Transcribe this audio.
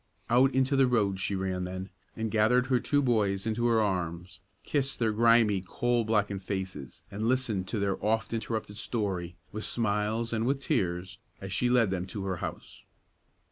Out into the road she ran then, and gathered her two boys into her arms, kissed their grimy, coal blackened faces, and listened to their oft interrupted story, with smiles and with tears, as she led them to her house.